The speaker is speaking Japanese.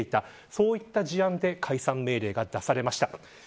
そういった事案で解散命令が出されました。